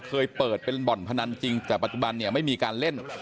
เคยเปิดเป็นบ่อนพนันจริงแต่ปัจจุบันเนี่ยไม่มีการเล่น